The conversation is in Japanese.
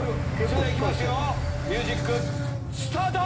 それでは行きますよミュージックスタート！